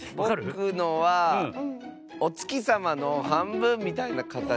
ぼくのはおつきさまのはんぶんみたいなかたちですね。